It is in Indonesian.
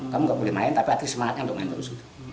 kamu nggak boleh main tapi atlet semangatnya untuk main terus gitu